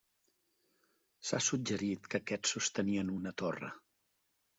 S'ha suggerit que aquests sostenien una torre.